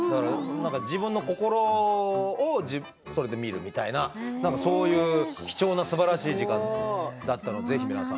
自分の心を自分で見るみたいなそういう貴重なすばらしい時間になったのでぜひ皆さん。